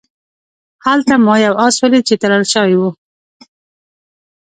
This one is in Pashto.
هلته ما یو آس ولید چې تړل شوی و.